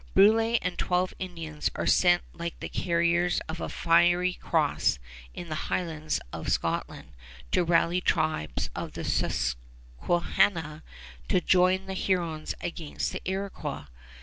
Brulé and twelve Indians are sent like the carriers of the fiery cross in the Highlands of Scotland to rally tribes of the Susquehanna to join the Hurons against the Iroquois.